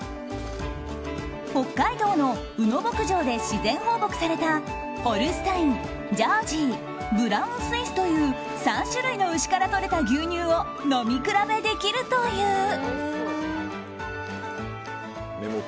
北海道の宇野牧場で自然放牧されたホルスタイン、ジャージーブラウンスイスという３種類の牛からとれた牛乳を飲み比べできるという。